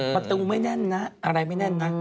ประตูไม่แน่นนะอะไรไม่แน่นนะ